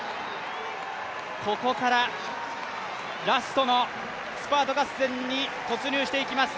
ここからラストのスパート合戦に突入していきます